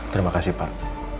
terima kasih pak